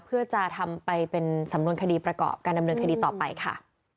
เพื่อจะทำไปเป็นสำนวนคดีประกอบการดำเนินคดีต่อไปค่ะ